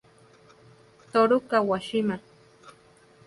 Toru Kawashima